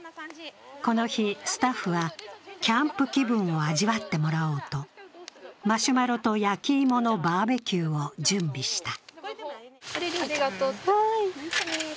この日、スタッフはキャンプ気分を味わってもらおうと、マシュマロと焼き芋のバーベキューを準備した。